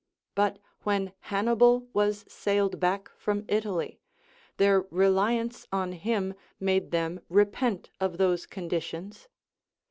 But Avhen Hannibal was sailed back from Italy, their reliance on him made them repent of those conditions.